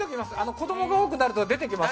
子供が多くなると出てきます。